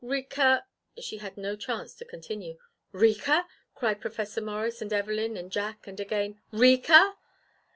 "Rika " She had no chance to continue "Rika?" cried Professor Morris, and Evelyn, and Jack, and again, "Rika?"